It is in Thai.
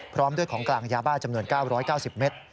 พร้อมด้วยของกลางยาบ้าจำนวน๙๙๐เมตร